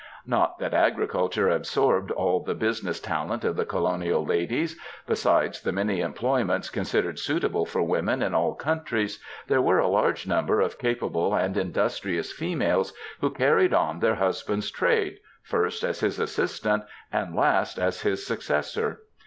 Not that agriculture absorbed all the business talent of the colonial ladies. Besides the many employments con sidered suitable for women in all countries, there were a large number of capable and industrious females who carried on their husband^s trade, first as his assistant, and last as his AMERICAN WOMEN 248 successor.